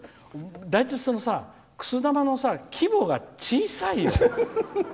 大体、そのくす玉の規模が小さいよ！